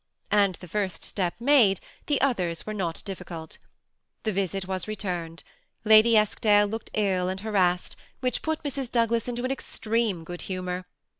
And the first step made, the others were not difficult The visit was returned. Lady Eskdale looked ill and harassed, which put Mrs. Doug las into extreme good humor.